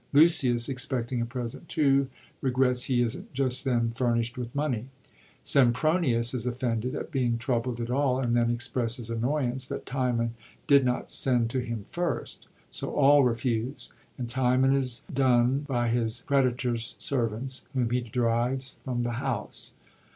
Lucius, expecting a present too, regrets he isn't just then f ui*nisht with money. Sempronius is offended at being troubled at all, and then expresses annoyance that Timon did not send to him first. So all refuse, and Timon is dund by his creditors' servants, whom he drives from the house.